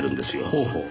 ほうほう。